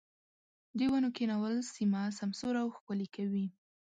د ونو کښېنول سيمه سمسوره او ښکلې کوي.